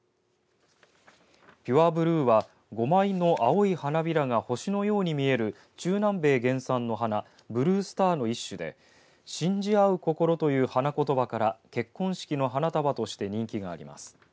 ピュアブルーは５枚の青い花びらが星のように見える中南米原産の花ブルースターの一種で信じ合う心という花言葉から結婚式の花束として人気があります。